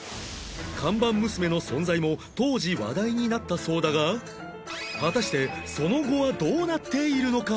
看板娘の存在も当時話題になったそうだが果たしてその後はどうなっているのか？